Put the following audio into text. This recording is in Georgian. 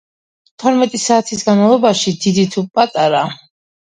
თორმეტი საათის განმავლობაში, დიდი თუ პატარა.